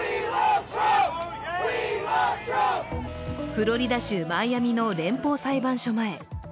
フロリダ州マイアミの連邦裁判所前。